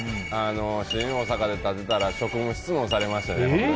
新大阪で立ってたら職務質問されましてね。